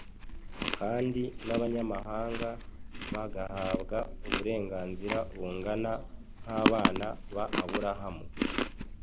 kandi n’abanyamahanga bagahabwa uburenganzira bungana nk’abana ba Aburahamu